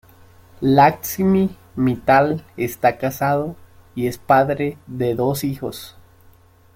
Lakshmi Mittal está casado y es padre de dos hijos.